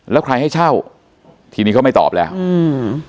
แล้วใครให้เช่าทีนี้เขาไม่ตอบแล้วอืม